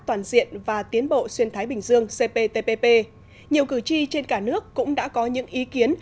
toàn diện và tiến bộ xuyên thái bình dương cptpp nhiều cử tri trên cả nước cũng đã có những ý kiến